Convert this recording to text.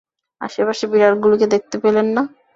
আশেপাশে বিড়ালগুলিকে দেখতে পেলেন না।